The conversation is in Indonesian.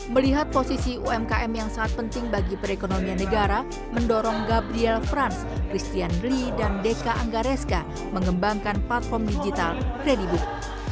melihat posisi umkm yang sangat penting bagi perekonomian negara mendorong gabriel franz christian lee dan deka anggareska mengembangkan platform digital kredibook